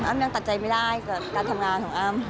ยังตัดใจไม่ได้กับการทำงานของอ้ำ